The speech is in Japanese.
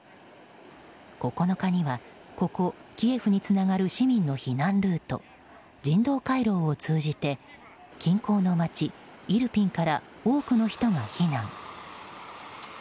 ９日には、ここキエフにつながる市民の避難ルート人道回廊を通じて近郊の街イルピンから多くの人が避難。